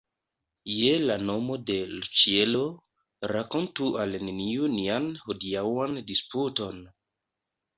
Je la nomo de l' ĉielo, rakontu al neniu nian hodiaŭan disputon!